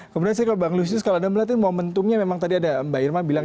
kemudian saya ke bang lusius kalau anda melihat ini momentumnya memang tadi ada mbak irma bilang